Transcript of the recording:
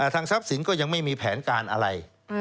ทางทรัพย์สินก็ยังไม่มีแผนการอะไร